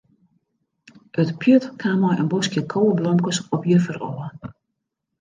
It pjut kaam mei in boskje koweblomkes op juffer ôf.